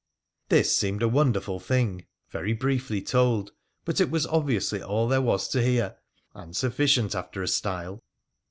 This seemed a wonderful thing, very briefly told, but ii 68 WONDERFUL ADVENTURES OF was obviously all there was to hear, and sufficient after a style.